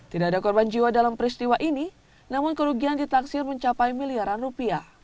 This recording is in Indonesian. tidak ada korban jiwa dalam peristiwa ini namun kerugian ditaksir mencapai miliaran rupiah